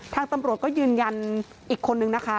ทางตำรวจก็ยืนยันอีกคนนึงนะคะ